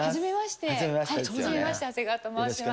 はじめまして長谷川と申します。